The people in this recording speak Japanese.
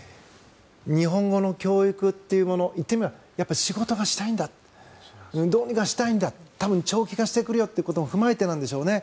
日本語の教育というもの言ってみれば仕事がしたいんだどうにかしたいんだ多分、長期化してくることも踏まえてなんでしょうね